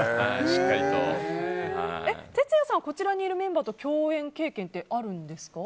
ＴＥＴＳＵＹＡさんはこちらにいるメンバーと共演経験ってあるんですか？